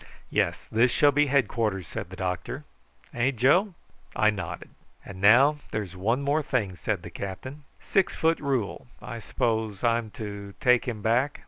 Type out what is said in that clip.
"Yes; this shall be headquarters," said the doctor. "Eh, Joe?" I nodded. "And now there's one more thing," said the captain. "Six foot Rule; I suppose I'm to take him back?"